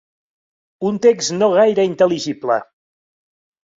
Un text no gaire intel·ligible.